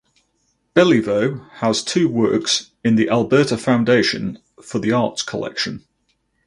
Belliveau has two works in the Alberta Foundation for the Arts collection.